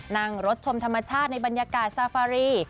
นั่งรถชมธรรมชาติในบรรยากาศซาฟารี